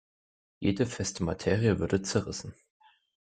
Jede feste Materie würde zerrissen.